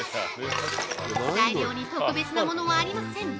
材料に特別なものはありません！